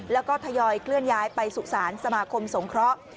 แล้วก็ทยอยเคลื่อนย้ายไปสุสานสมาคมสงเคราะห์